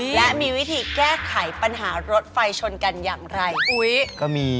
และมีวิธีแก้ไขปัญหารถไฟชนกันอย่างไร